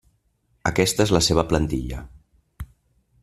Aquesta és la seva plantilla.